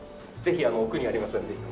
ぜひ奥にありますので。